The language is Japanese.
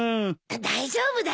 大丈夫だよ。